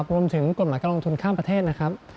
รวมถึงกฎหมายการลงทุนข้ามประเทศนะครับ